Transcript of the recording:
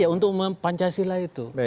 untuk pancasila itu